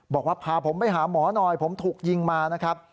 บอกว่าพาผมไปหาหมอหน่อยผมถูกยิงมานะครับ